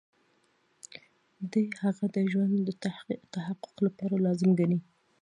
دی هغه د ښه ژوند د تحقق لپاره لازم ګڼي.